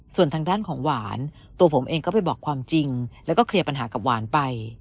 ส่วนทางด้านของหวานตัวผมเองก็ไปบอกความจริงแล้วก็เคลียร์ปัญหากับหวานไป